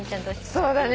そうだね。